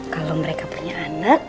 kalau mereka punya anak